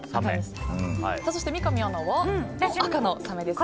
そして三上アナも赤のサメですね。